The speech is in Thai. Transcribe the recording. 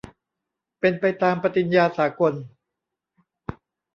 เป็นไปตามปฏิญญาสากล